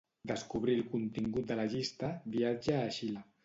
Descobrir el contingut de la llista "viatge a Xile".